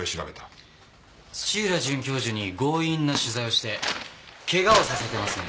土浦准教授に強引な取材をして怪我をさせてますね？